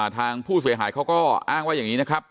ทางผู้เสียหายเขาก็อ้างว่าอย่างนี้นะครับ